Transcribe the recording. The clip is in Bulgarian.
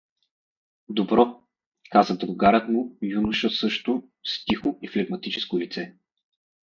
— Добро — каза другарят му, юноша също, с тихо и флегматическо лице.